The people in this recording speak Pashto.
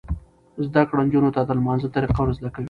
زده کړه نجونو ته د لمانځه طریقه ور زده کوي.